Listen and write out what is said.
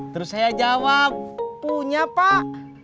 terus saya jawab punya pak